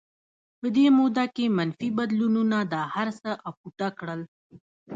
په دې موده کې منفي بدلونونو دا هرڅه اپوټه کړل